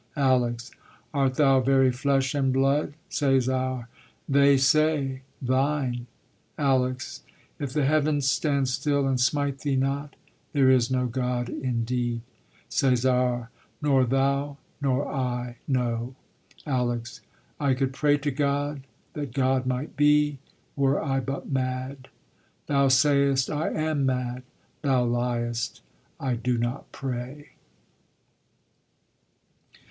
ALEX. Art thou very flesh and blood? CÆSAR. They say, Thine. ALEX. If the heaven stand still and smite thee not, There is no God indeed. CÆSAR. Nor thou nor I Know. ALEX. I could pray to God that God might be, Were I but mad. Thou sayest I am mad: thou liest: I do not pray.